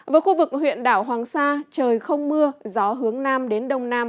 với khu vực huyện đảo hoàng sa trời không mưa gió hướng nam đến đông nam